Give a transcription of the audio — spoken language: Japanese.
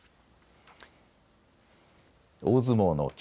大相撲の霧